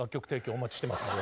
お待ちしてます。